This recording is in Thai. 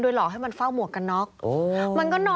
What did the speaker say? โดยหลอกให้มันเฝ้าข้อมัวกี้